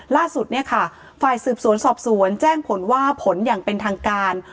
ล่าสุดเนี่ยค่ะฝ่ายสืบสวนสอบสวนแจ้งผลว่าผลอย่างเป็นทางการ